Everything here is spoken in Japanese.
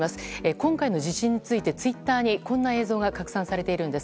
今回の地震についてツイッターにこんな映像が拡散されているんです。